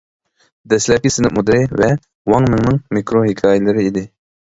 «دەسلەپكى سىنىپ مۇدىرى» ۋە ۋاڭ مىڭنىڭ مىكرو ھېكايىلىرى ئىدى.